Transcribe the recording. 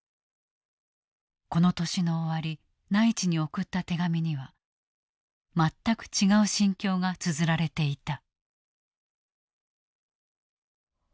この年の終わり内地に送った手紙には全く違う心境がつづられていた。